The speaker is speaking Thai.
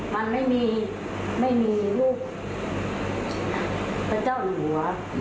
มันไม่มีไม่มีลูกพระเจ้าหัว